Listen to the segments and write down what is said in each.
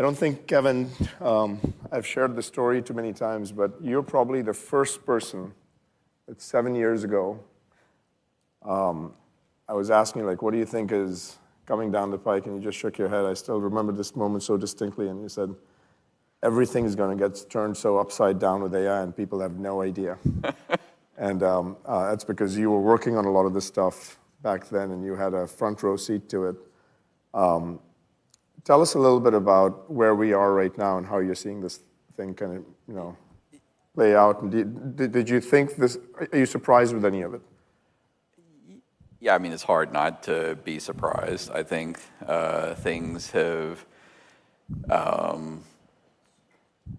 I don't think, Kevin, I've shared this story too many times, but you're probably the first person, it's seven years ago, I was asking you, like, "What do you think is coming down the pike?" And you just shook your head. I still remember this moment so distinctly, and you said, "Everything's gonna get turned so upside down with AI, and people have no idea." And that's because you were working on a lot of this stuff back then, and you had a front row seat to it. Tell us a little bit about where we are right now, and how you're seeing this thing kind of, you know, lay out. And did you think this. Are you surprised with any of it? Yeah, I mean, it's hard not to be surprised. I think, things have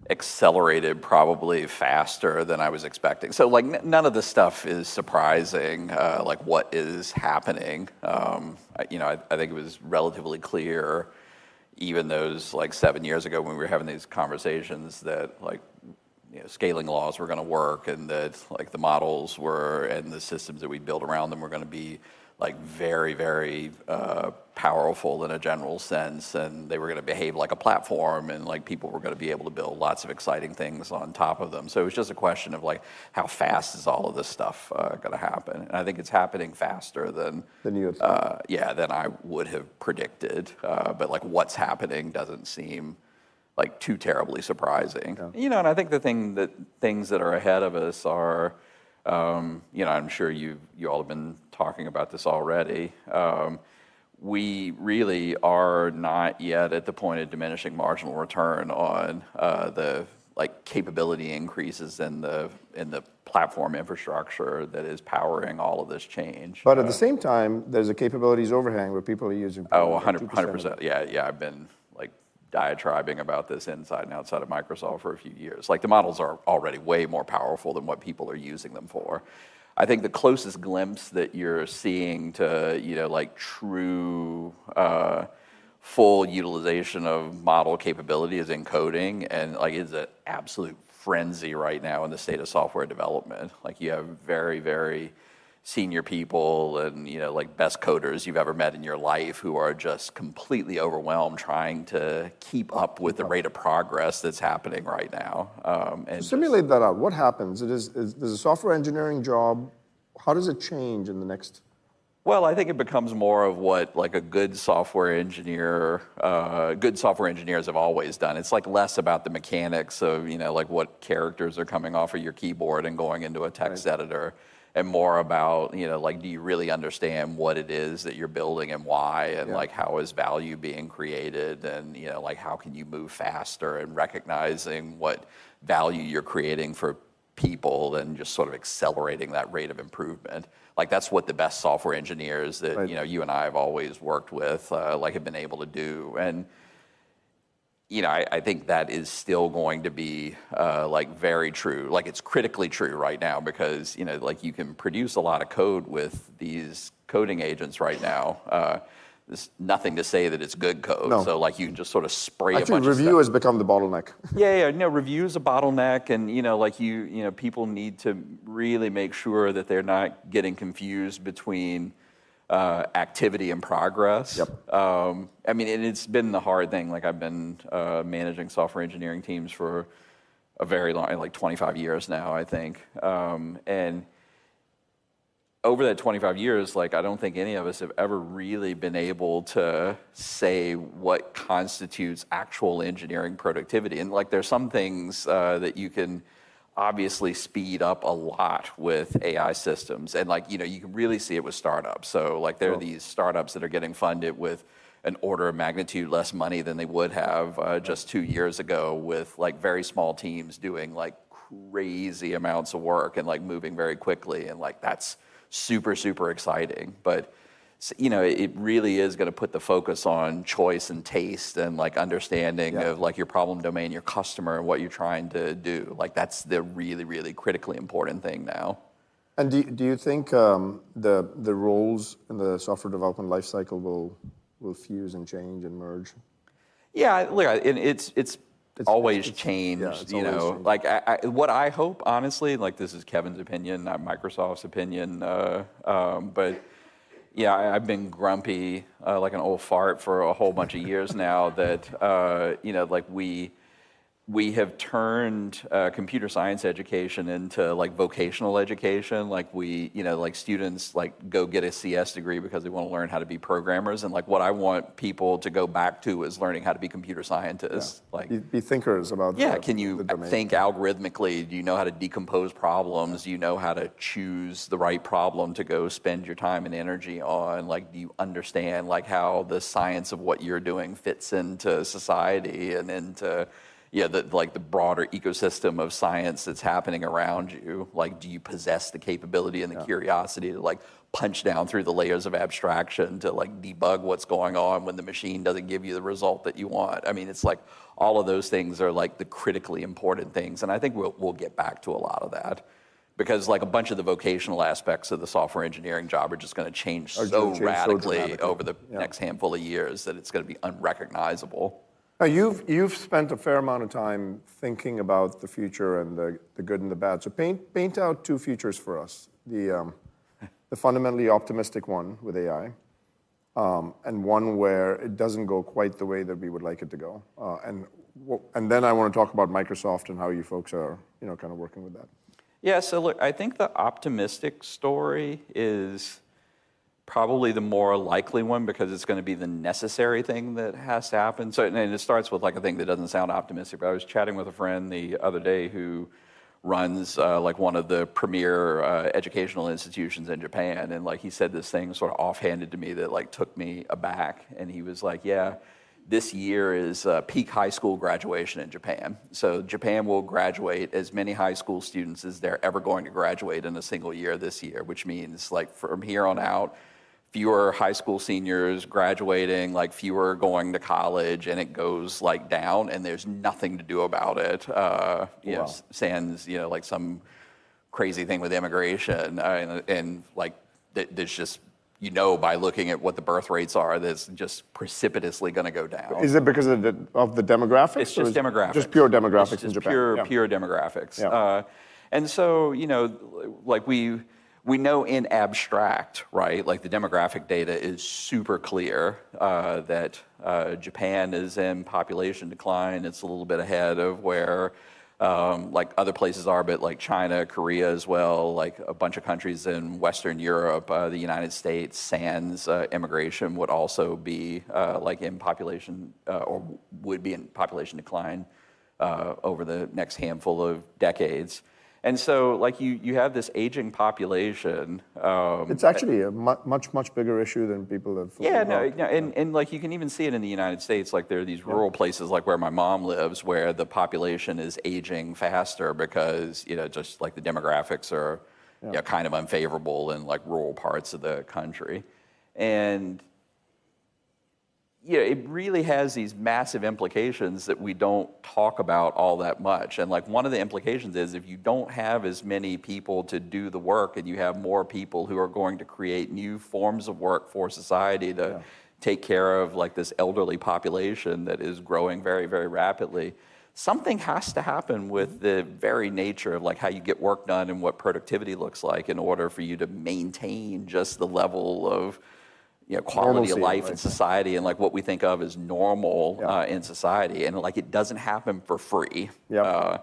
accelerated probably faster than I was expecting. So, like, none of this stuff is surprising, like, what is happening. You know, I think it was relatively clear, even those, like, seven years ago when we were having these conversations, that, like, you know, scaling laws were gonna work, and that, like, the models were, and the systems that we build around them, were gonna be, like, very, very powerful in a general sense, and they were gonna behave like a platform, and, like, people were gonna be able to build lots of exciting things on top of them. So it was just a question of, like, how fast is all of this stuff gonna happen? And I think it's happening faster than. Than you expected. Yeah, than I would have predicted. But, like, what's happening doesn't seem like too terribly surprising. Yeah. You know, and I think the things that are ahead of us are, you know, I'm sure you all have been talking about this already. We really are not yet at the point of diminishing marginal return on the, like, capability increases in the platform infrastructure that is powering all of this change. But at the same time, there's a capabilities overhang, where people are using. Oh, 100, 100%. 100%. Yeah, yeah. I've been, like, diatribing about this inside and outside of Microsoft for a few years. Like, the models are already way more powerful than what people are using them for. I think the closest glimpse that you're seeing to, you know, like, true full utilization of model capability is in coding, and, like, it's an absolute frenzy right now in the state of software development. Like, you have very, very senior people and, you know, like, best coders you've ever met in your life who are just completely overwhelmed trying to keep up with the rate of progress that's happening right now. So simulate that out. What happens? It is. There's a software engineering job, how does it change in the next? Well, I think it becomes more of what, like, a good software engineer, good software engineers have always done. It's, like, less about the mechanics of, you know, like, what characters are coming off of your keyboard and going into a text editor. Right. And more about, you know, like, do you really understand what it is that you're building and why? Yeah. Like, how is value being created? You know, like, how can you move faster in recognizing what value you're creating for people, and just sort of accelerating that rate of improvement. Like, that's what the best software engineers that. Right. You know, you and I have always worked with, like, have been able to do. And, you know, I, I think that is still going to be, like, very true. Like, it's critically true right now because, you know, like, you can produce a lot of code with these coding agents right now. There's nothing to say that it's good code. No. So, like, you can just sort of spray a bunch of stuff. Actually, review has become the bottleneck. Yeah, yeah. You know, review is a bottleneck and, you know, like, you know, people need to really make sure that they're not getting confused between activity and progress. Yep. I mean, and it's been the hard thing. Like, I've been managing software engineering teams for a very long like 25 years now, I think. And over that 25 years, like, I don't think any of us have ever really been able to say what constitutes actual engineering productivity. And, like, there's some things that you can obviously speed up a lot with AI systems, and, like, you know, you can really see it with startups. So, like, there are these startups that are getting funded with an order of magnitude less money than they would have just two years ago. With, like, very small teams doing, like, crazy amounts of work, and, like, moving very quickly. And, like, that's super, super exciting. But, you know, it really is gonna put the focus on choice and taste and, like, understanding of like your problem domain, your customer, and what you're trying to do. Like, that's the really, really critically important thing now. Do you think the roles in the software development lifecycle will fuse and change and merge? Yeah, look, and it's, it's always changed. Yeah, it's always changed. You know. Like, I, what I hope, honestly, like, this is Kevin's opinion, not Microsoft's opinion, but yeah, I, I've been grumpy, like an old fart for a whole bunch of years now. That, you know, like, we have turned computer science education into, like, vocational education. Like, you know, like, students go get a CS degree because they want to learn how to be programmers, and, like, what I want people to go back to is learning how to be computer scientists. Yeah. Be thinkers about the the domain. Yeah. Can you think algorithmically? Do you know how to decompose problems? Do you know how to choose the right problem to go spend your time and energy on? Like, do you understand, like, how the science of what you're doing fits into society, and into, yeah, the, like, the broader ecosystem of science that's happening around you? Like, do you possess the capability. Yeah. And the curiosity to, like, punch down through the layers of abstraction, to, like, debug what's going on when the machine doesn't give you the result that you want? I mean, it's like, all of those things are, like, the critically important things, and I think we'll, we'll get back to a lot of that because, like, a bunch of the vocational aspects of the software engineering job are just gonna change so radically over the next handful of years, that it's gonna be unrecognizable. Now, you've spent a fair amount of time thinking about the future and the good and the bad, so paint out two futures for us. The fundamentally optimistic one with AI, and one where it doesn't go quite the way that we would like it to go. And then I wanna talk about Microsoft and how you folks are, you know, kind of working with that. Yeah, so look, I think the optimistic story is probably the more likely one, because it's gonna be the necessary thing that has to happen. So, and it starts with, like, a thing that doesn't sound optimistic, but I was chatting with a friend the other day who runs, like, one of the premier educational institutions in Japan, and like he said this thing sort of offhanded to me that, like, took me aback, and he was like: "Yeah, this year is peak high school graduation in Japan." So Japan will graduate as many high school students as they're ever going to graduate in a single year this year, which means, like, from here on out, fewer high school seniors graduating, like, fewer going to college, and it goes, like, down, and there's nothing to do about it. Wow You know, sans, you know, like, some crazy thing with immigration. I, like, there, there's just, you know, by looking at what the birth rates are, that it's just precipitously gonna go down. Is it because of the demographics? It's just demographics. Just pure demographics in Japan. Just pure, pure demographics. Yeah. And so, you know, like, we, we know in abstract, right? Like, the demographic data is super clear, that, Japan is in population decline. It's a little bit ahead of where, like, other places are, but, like, China, Korea as well, like a bunch of countries in Western Europe, the United States, sans, immigration, would also be, like, in population... or would be in population decline, over the next handful of decades. And so, like, you, you have this aging population, It's actually a much, much bigger issue than people have thought. Like, you can even see it in the United States. Like, there are these rural places like where my mom lives, where the population is aging faster because, you know, just, like, the demographics are kind of unfavorable in, like, rural parts of the country. And, you know, it really has these massive implications that we don't talk about all that much, and, like, one of the implications is, if you don't have as many people to do the work, and you have more people who are going to create new forms of work for society to take care of, like, this elderly population that is growing very, very rapidly, something has to happen with the very nature of, like, how you get work done and what productivity looks like in order for you to maintain just the level of, you know, quality. Normalcy. Of life and society and, like, what we think of as normal- Yeah. In society, and, like, it doesn't happen for free. Yeah.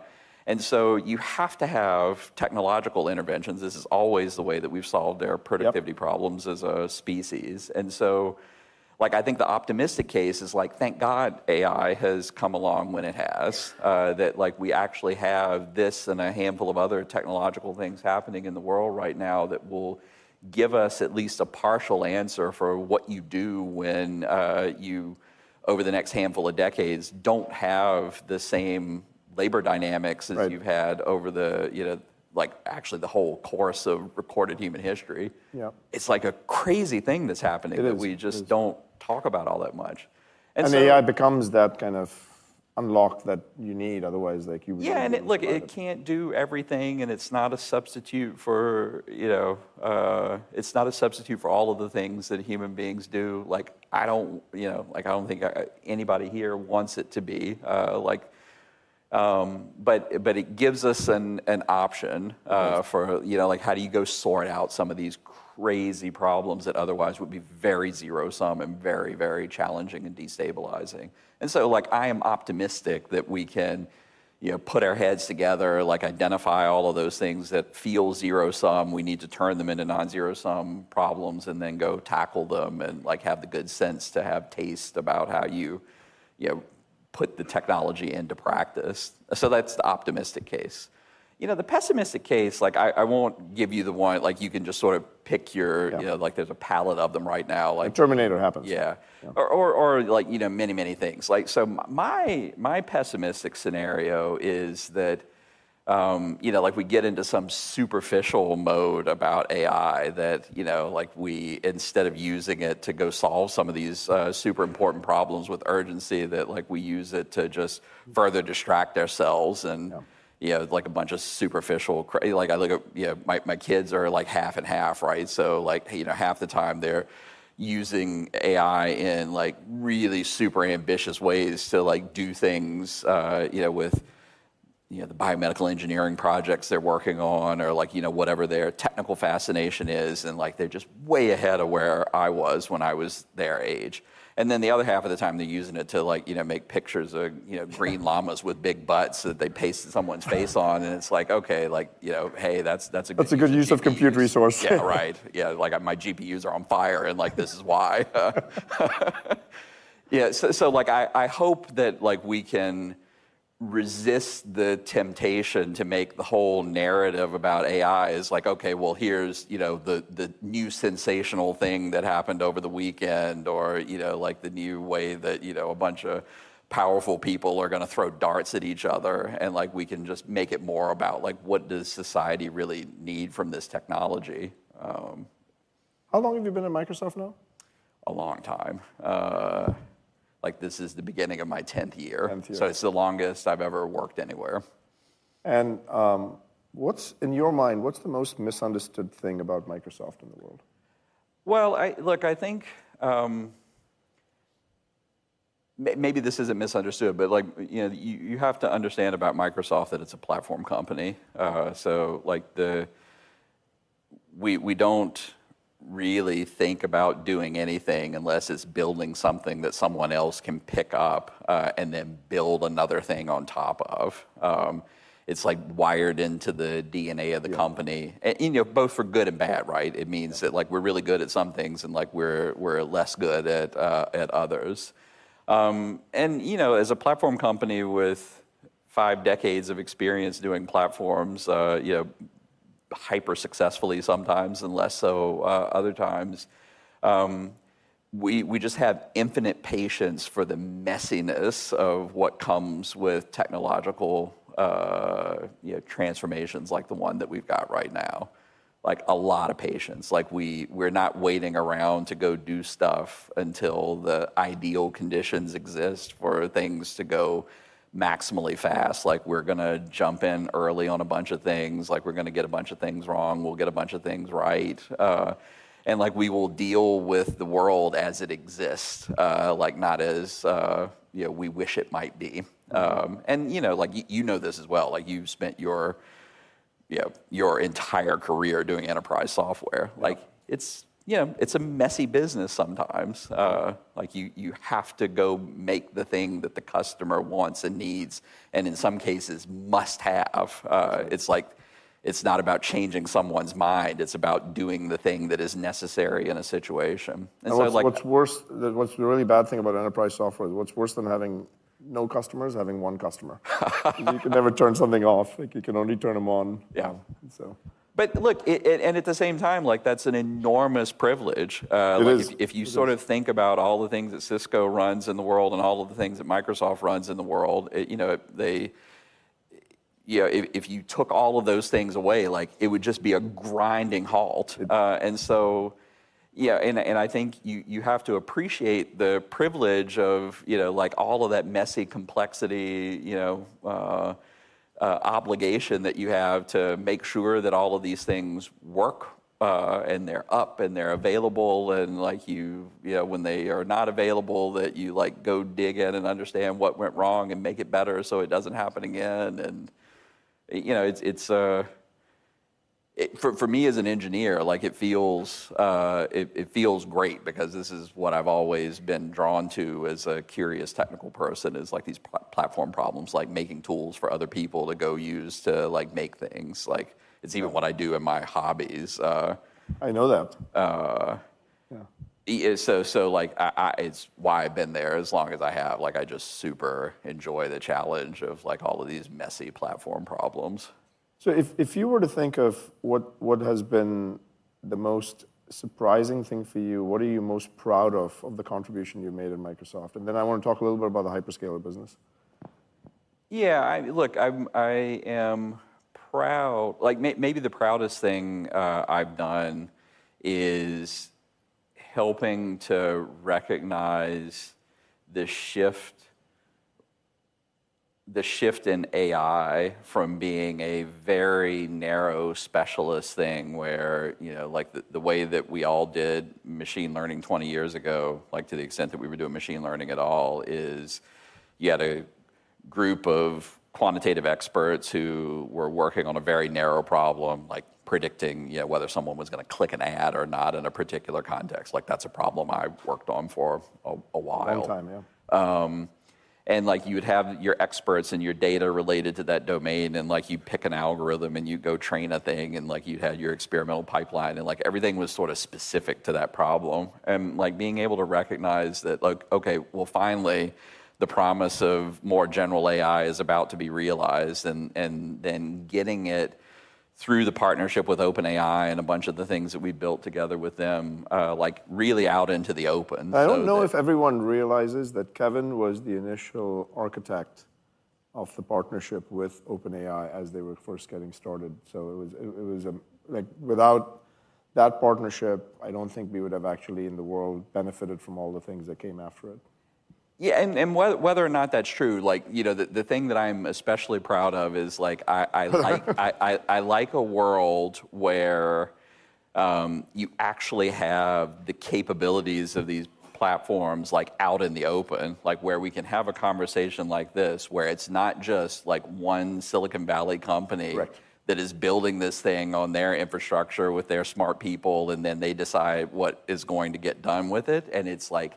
And so you have to have technological interventions. This is always the way that we've solved our productivity problems as a species. And so, like, I think the optimistic case is, like, thank God AI has come along when it has. Yeah. That, like, we actually have this and a handful of other technological things happening in the world right now that will give us at least a partial answer for what you do when you, over the next handful of decades, don't have the same labor dynamics as you've had over the, you know, like, actually, the whole course of recorded human history. Yeah. It's, like, a crazy thing that's happening- It is. It is That we just don't talk about all that much. And so. AI becomes that kind of unlock that you need, otherwise, like, you. Yeah, and it look, it can't do everything, and it's not a substitute for, you know, it's not a substitute for all of the things that human beings do. Like, I don't, you know, like, I don't think anybody here wants it to be, like. But it gives us an option. Right. For, you know, like, how do you go sort out some of these crazy problems that otherwise would be very zero-sum and very, very challenging and destabilizing? And so, like, I am optimistic that we can, you know, put our heads together, like, identify all of those things that feel zero-sum. We need to turn them into non-zero-sum problems, and then go tackle them, and, like, have the good sense to have taste about how you, you know, put the technology into practice. So that's the optimistic case. You know, the pessimistic case, like, I won't give you the one, like, you can just sort of pick your. Yeah. You know, like, there's a palette of them right now. Like- The Terminator happens. Yeah. Yeah. Like, you know, many, many things. Like, so my, my pessimistic scenario is that, you know, like, we get into some superficial mode about AI that, you know, like, we, instead of using it to go solve some of these, super important problems with urgency, that, like, we use it to just further distract ourselves. Yeah. And, you know, like a bunch of superficial, Like, I look at, you know, my, my kids are, like, half and half, right? So, like, you know, half the time, they're using AI in, like, really super ambitious ways to, like, do things, you know, with, you know, the biomedical engineering projects they're working on, or, like, you know, whatever their technical fascination is, and, like, they're just way ahead of where I was when I was their age. And then the other half of the time, they're using it to, like, you know, make pictures of, you know, green llamas with big butts that they paste someone's face on. And it's like, okay, like, you know, hey, that's, that's a good use of GPUs. That's a good use of compute resource. Yeah, right. Yeah, like, "My GPUs are on fire, and, like, this is why." Yeah, so, like, I hope that, like, we can resist the temptation to make the whole narrative about AI as like, okay, well, here's, you know, the new sensational thing that happened over the weekend or, you know, like, the new way that, you know, a bunch of powerful people are gonna throw darts at each other, and, like, we can just make it more about, like, what does society really need from this technology? How long have you been at Microsoft now? A long time. Like, this is the beginning of my tenth year. Tenth year. It's the longest I've ever worked anywhere. What's, in your mind, what's the most misunderstood thing about Microsoft in the world? Well, look, I think maybe this isn't misunderstood, but like, you know, you, you have to understand about Microsoft, that it's a platform company. So like we, we don't really think about doing anything unless it's building something that someone else can pick up, and then build another thing on top of. It's like wired into the DNA of the company. Yeah. And, you know, both for good and bad, right? It means that, like, we're really good at some things, and like we're, we're less good at others. And, you know, as a platform company with five decades of experience doing platforms, you know, hyper successfully sometimes and less so other times, we just have infinite patience for the messiness of what comes with technological, you know, transformations, like the one that we've got right now. Like, a lot of patience. Like we're not waiting around to go do stuff until the ideal conditions exist for things to go maximally fast. Like, we're gonna jump in early on a bunch of things, like, we're gonna get a bunch of things wrong, we'll get a bunch of things right. Like, we will deal with the world as it exists, like, not as you know, we wish it might be. You know, like you know this as well, like, you've spent your, you know, your entire career doing enterprise software. Yeah. Like, it's, you know, it's a messy business sometimes. Like, you have to go make the thing that the customer wants and needs, and in some cases must have. It's like, it's not about changing someone's mind, it's about doing the thing that is necessary in a situation. And so like. What's worse than having no customers? Having one customer. You can never turn something off, like you can only turn them on. Yeah. So. But look, at the same time, like, that's an enormous privilege. It is. Like, if you sort of think about all the things that Cisco runs in the world, and all of the things that Microsoft runs in the world, you know, they. You know, if you took all of those things away, like, it would just be a grinding halt. Yeah. And so, yeah, and, and I think you, you have to appreciate the privilege of, you know, like, all of that messy complexity, you know, obligation that you have to make sure that all of these things work, and they're up, and they're available, and like, you... You know, when they are not available, that you, like, go dig in and understand what went wrong and make it better, so it doesn't happen again. And, you know, it's, it's, for, for me as an engineer, like, it feels, it, it feels great because this is what I've always been drawn to as a curious technical person, is like these platform problems, like making tools for other people to go use to, like, make things. Like. Yeah It's even what I do in my hobbies. I know that. Uh. Yeah. So, like, it's why I've been there as long as I have. Like, I just super enjoy the challenge of, like, all of these messy platform problems. So if you were to think of what has been the most surprising thing for you, what are you most proud of the contribution you've made at Microsoft? And then I want to talk a little bit about the hyperscaler business. Yeah, I mean, look, I am proud—like, maybe the proudest thing I've done is helping to recognize the shift, the shift in AI from being a very narrow specialist thing where, you know, like, the way that we all did machine learning 20 years ago, like, to the extent that we were doing machine learning at all, is you had a group of quantitative experts who were working on a very narrow problem, like predicting, you know, whether someone was gonna click an ad or not in a particular context. Like, that's a problem I worked on for a while. Long time, yeah. And like, you'd have your experts and your data related to that domain, and like, you'd pick an algorithm, and you'd go train a thing, and like, you had your experimental pipeline and, like, everything was sort of specific to that problem. And like, being able to recognize that, like, okay, well, finally, the promise of more general AI is about to be realized, and then getting it through the partnership with OpenAI and a bunch of the things that we built together with them, like, really out into the open. So. I don't know if everyone realizes that Kevin was the initial architect of the partnership with OpenAI as they were first getting started. So it was. Like, without that partnership, I don't think we would have actually in the world benefited from all the things that came after it. Yeah, and whether or not that's true, like, you know, the thing that I'm especially proud of is, like, I like a world where you actually have the capabilities of these platforms, like, out in the open. Like, where we can have a conversation like this, where it's not just, like, one Silicon Valley company. Right That is building this thing on their infrastructure with their smart people, and then they decide what is going to get done with it. And it's, like,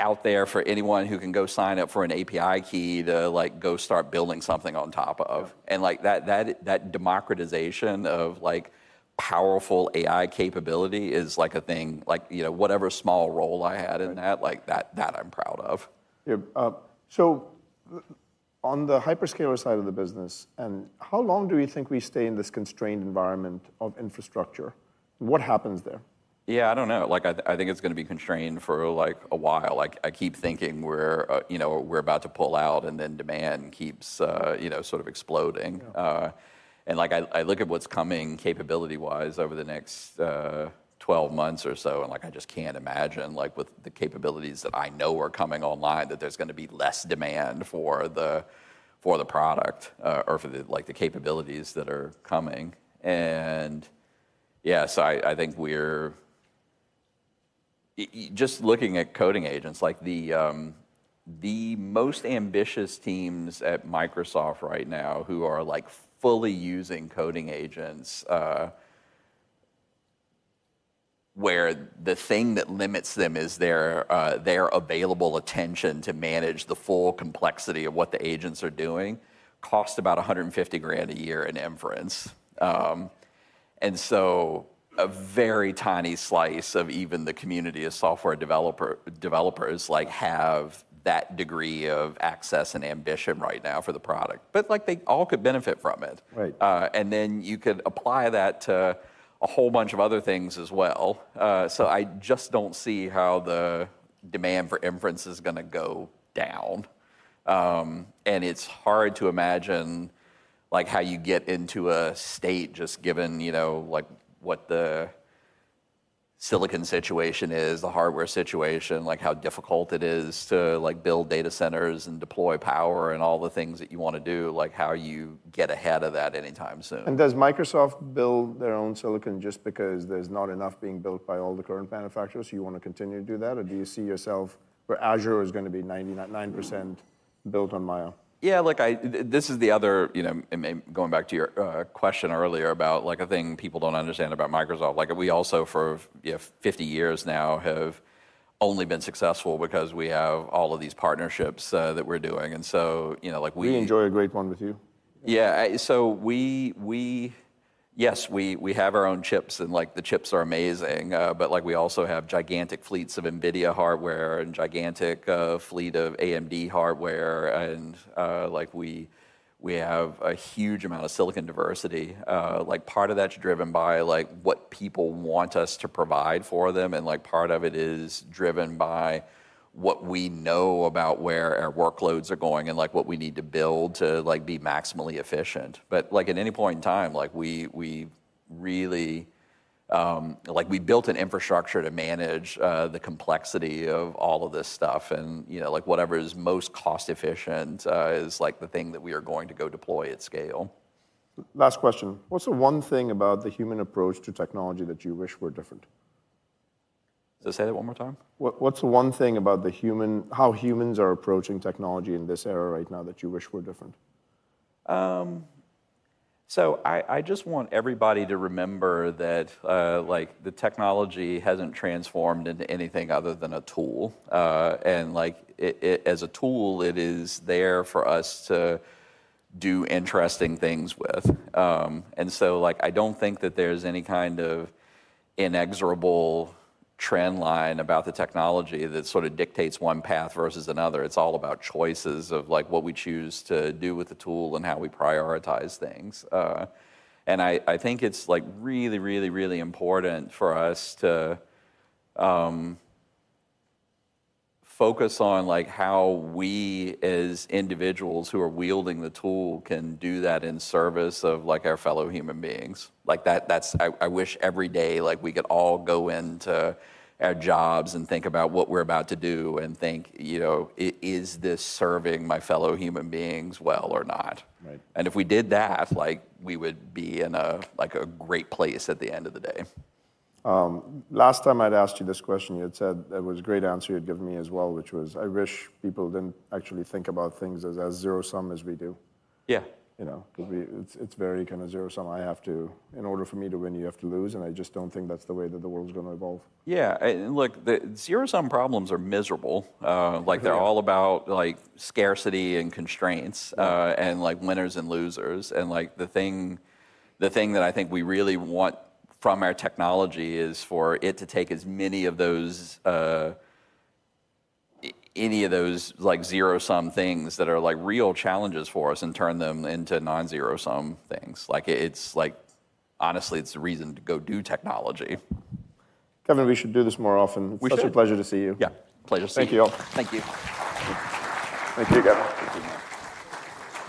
out there for anyone who can go sign up for an API key to, like, go start building something on top of. Yeah. Like, that democratization of, like, powerful AI capability is, like, a thing. Like, you know, whatever small role I had in that like, that, that I'm proud of. Yeah. So on the hyperscaler side of the business, and how long do you think we stay in this constrained environment of infrastructure? What happens there? Yeah, I don't know. Like, I, I think it's gonna be constrained for, like, a while. Like, I keep thinking we're, you know, we're about to pull out, and then demand keeps, you know, sort of exploding. Yeah. And like, I look at what's coming capability-wise over the next 12 months or so, and like, I just can't imagine, like, with the capabilities that I know are coming online, that there's gonna be less demand for the product or for the capabilities that are coming. Yeah, so I think we're just looking at coding agents, like the most ambitious teams at Microsoft right now, who are like fully using coding agents, where the thing that limits them is their available attention to manage the full complexity of what the agents are doing, cost about $150,000 a year in inference. And so a very tiny slice of even the community of software developers, like, have that degree of access and ambition right now for the product, but, like, they all could benefit from it. Right. And then you could apply that to a whole bunch of other things as well. So I just don't see how the demand for inference is gonna go down. And it's hard to imagine, like, how you get into a state just given, you know, like, what the silicon situation is, the hardware situation, like, how difficult it is to, like, build data centers and deploy power and all the things that you wanna do, like, how you get ahead of that anytime soon. Does Microsoft build their own silicon just because there's not enough being built by all the current manufacturers, so you want to continue to do that? Or do you see yourself where Azure is gonna be 99% built on Maia? Yeah, look, this is the other, you know, going back to your question earlier about, like, a thing people don't understand about Microsoft. Like, we also, for, you know, 50 years now, have only been successful because we have all of these partnerships that we're doing, and so, you know, like we. We enjoy a great one with you. Yeah, so we have our own chips, and, like, the chips are amazing, but, like, we also have gigantic fleets of NVIDIA hardware and gigantic fleet of AMD hardware, and, like, we have a huge amount of silicon diversity. Like, part of that's driven by, like, what people want us to provide for them, and, like, part of it is driven by what we know about where our workloads are going and, like, what we need to build to, like, be maximally efficient. But, like, at any point in time, like, we really... Like, we built an infrastructure to manage the complexity of all of this stuff and, you know, like, whatever is most cost efficient is, like, the thing that we are going to go deploy at scale. Last question: What's the one thing about the human approach to technology that you wish were different? Say that one more time. What's the one thing about how humans are approaching technology in this era right now that you wish were different? So I just want everybody to remember that, like, the technology hasn't transformed into anything other than a tool. And, like, as a tool, it is there for us to do interesting things with. And so, like, I don't think that there's any kind of inexorable trend line about the technology that sort of dictates one path versus another. It's all about choices of, like, what we choose to do with the tool and how we prioritize things. And I think it's, like, really, really, really important for us to focus on, like, how we, as individuals who are wielding the tool, can do that in service of, like, our fellow human beings. Like, I wish every day, like, we could all go into our jobs and think about what we're about to do and think, "You know, is this serving my fellow human beings well or not? Right. If we did that, like, we would be in a, like, a great place at the end of the day. Last time I'd asked you this question, you had said. It was a great answer you'd given me as well, which was, "I wish people didn't actually think about things as as zero-sum as we do. Yeah. You know. Yeah Because it's very kind of zero-sum. I have to, in order for me to win, you have to lose, and I just don't think that's the way that the world's gonna evolve. Yeah, and look, the zero-sum problems are miserable. Mm-hmm Like, they're all about, like, scarcity and constraints. Yeah And like winners and losers, and like the thing, the thing that I think we really want from our technology is for it to take as many of those, any of those, like, zero-sum things that are, like, real challenges for us and turn them into non-zero-sum things. Like, it's like, honestly, it's the reason to go do technology. Kevin, we should do this more often. We should. It's such a pleasure to see you. Yeah, pleasure to see you. Thank you all. Thank you. Thank you, Kevin. Thank you.